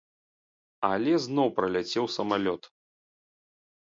Але зноў праляцеў самалёт.